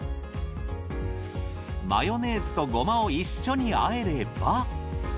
マヨネーズとゴマを一緒に和えれば。